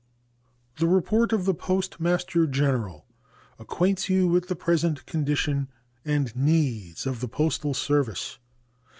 The report of the Postmaster General acquaints you with the present condition and needs of the postal service.